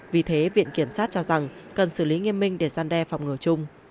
vì thế viện kiểm sát cho rằng cần xử lý nghiêm minh để gian đe phòng ngừa chung